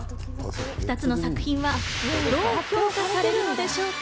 ２つの作品はどう評価されるのでしょうか。